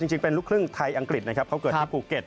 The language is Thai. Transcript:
จริงเป็นลูกครึ่งไทยอังกฤษนะครับเขาเกิดที่ภูเก็ต